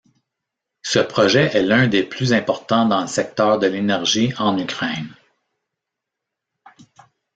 Ce projet est l'un des plus importants dans le secteur de l'énergie en Ukraine.